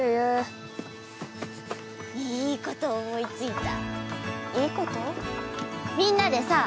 いいこと思いついた（治みんなでさ